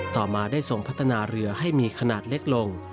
ต่อมาได้ส่งพัฒนาเรือให้มีขนาดเล็กลง